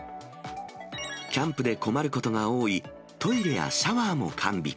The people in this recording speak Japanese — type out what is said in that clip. キャンプで困ることが多いトイレやシャワーも完備。